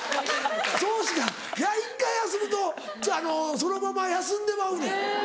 そうしか１回休むとそのまま休んでまうねん。